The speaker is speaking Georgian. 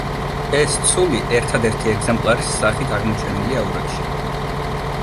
ეს ცული ერთადერთი ეგზემპლიარის სახით აღმოჩენილია ურეკში.